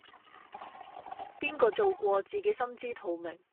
邊個做過自己心知肚明